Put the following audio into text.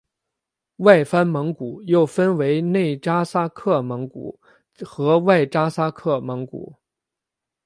外藩蒙古又分为内札萨克蒙古和外札萨克蒙古。